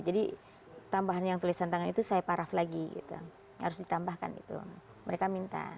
jadi tambahannya yang tulisan tangan itu saya paraf lagi gitu harus ditambahkan gitu mereka minta